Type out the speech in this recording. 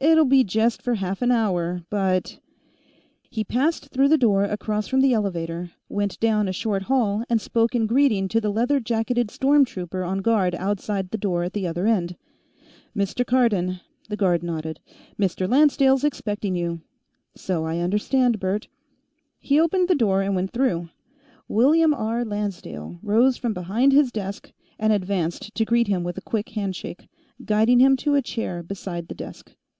"It'll be just for half an hour, but " He passed through the door across from the elevator, went down a short hall, and spoke in greeting to the leather jacketed storm trooper on guard outside the door at the other end. "Mr. Cardon," the guard nodded. "Mr. Lancedale's expecting you." "So I understand, Bert." He opened the door and went through. William R. Lancedale rose from behind his desk and advanced to greet him with a quick handshake, guiding him to a chair beside the desk.